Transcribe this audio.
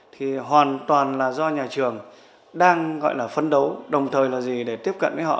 thì hoàn toàn là do nhà trường đang gọi là phấn đấu đồng thời là gì để tiếp cận với họ